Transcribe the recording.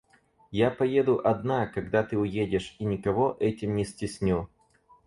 Я поеду одна, когда ты уедешь, и никого этим не стесню.